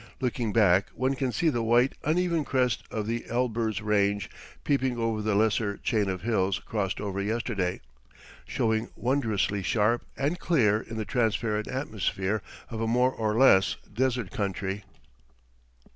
Looking back one can see the white, uneven crest of the Elburz Range peeping over the lesser chain of hills crossed over yesterday, showing wondrously sharp and clear in the transparent atmosphere of a more or less desert country.